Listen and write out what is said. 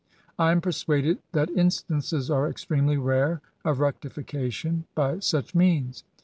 I am persuaded that instances are extremely rare of rectification by such means.